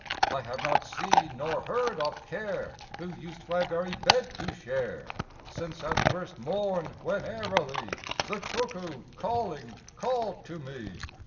I have not seen nor heard of Care, Who used my very bed to share. Since that first morn when, airily. The cuckoo, calling, called to me